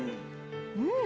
うん！